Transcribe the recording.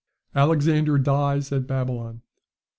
Alexander dies at Babylon.